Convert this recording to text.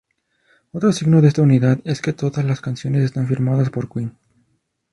Otro signo de esta unidad es que todas las canciones están firmadas por Queen.